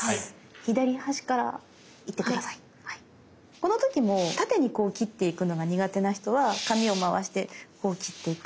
この時も縦にこう切っていくのが苦手な人は紙を回してこう切っていく。